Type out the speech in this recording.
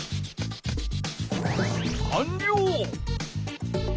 かんりょう！